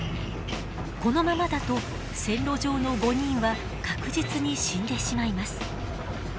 このままだと線路上の５人は確実に死んでしまいます。